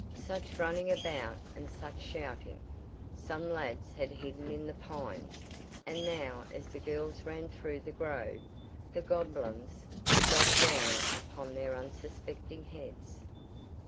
Such running about and such shouting! Some lads had hidden in the pines and now as the girls ran through the grove, the "goblins" dropped down upon their unsuspecting heads.